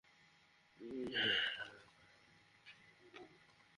কিন্তু প্রেগনেন্টের কথা শুনতেই কাপুরুষ হয়ে যায়।